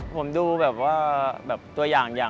ผมดูแบบตัวอย่าง